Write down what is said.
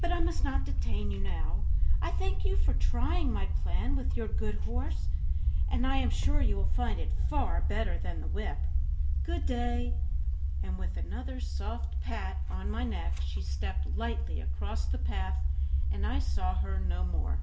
But I must not detain you now; I thank you for trying my plan with your good horse, and I am sure you will find it far better than the whip. Good day," and with another soft pat on my neck she stepped lightly across the path, and I saw her no more.